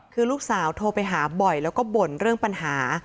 คือลูกสาวโทรไปหาบ่อยแล้วก็บ่นเรื่องปัญหา